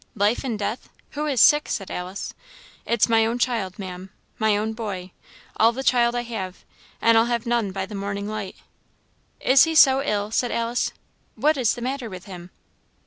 "Life and death! who is sick?" said Alice. "It's my own child, Maam my own boy all the child I have and I'll have none by the morning light." "Is he so ill?" said Alice; "what is the matter with him?"